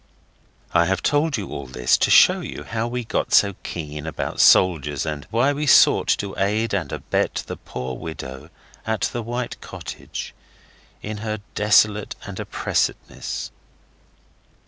I have told you all this to show you how we got so keen about soldiers, and why we sought to aid and abet the poor widow at the white cottage in her desolate and oppressedness.